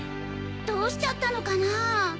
どうしちゃったのかなぁ？